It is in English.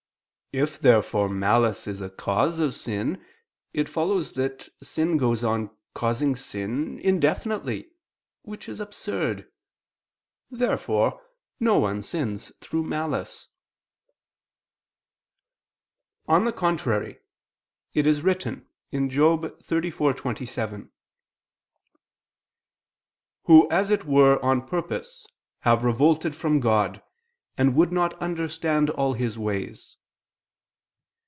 If therefore malice is a cause of sin, it follows that sin goes on causing sin indefinitely, which is absurd. Therefore no one sins through malice. On the contrary, It is written (Job 34:27): "[Who] as it were on purpose have revolted from God [Vulg.: 'Him'], and would not understand all His ways."